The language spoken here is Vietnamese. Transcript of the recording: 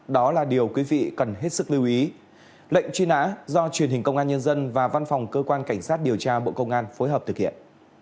đó là điều quý vị cần hết sức lưu ý lệnh truy nã do truyền hình công an nhân dân và văn phòng cơ quan cảnh sát điều tra bộ công an phối hợp thực hiện